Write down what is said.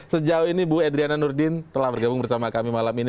sejauh ini bu edriana nurdin telah bergabung bersama kami malam ini